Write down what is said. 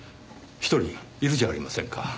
一人いるじゃありませんか。